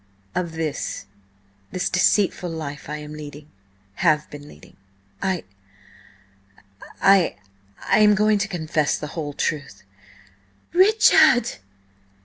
"Of this–this deceitful life I am leading–have been leading. I–I–I am going to confess the whole truth." "Rich ard!"